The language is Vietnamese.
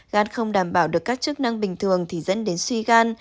gan không đảm bảo được các chức năng bình thường thì dẫn đến suy gan